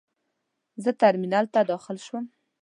زه ترمینل ته داخل شوم.